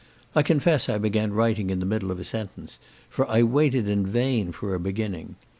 I confess I began writing in the middle of a sentence, for I waited in vain for a beginning.